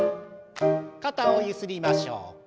肩をゆすりましょう。